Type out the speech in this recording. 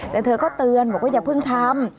แต่เธอก็เตือนบอกว่าอย่าเพิ่งทำ